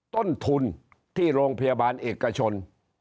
ต้นทุนที่โรงพยาบาลเอกชน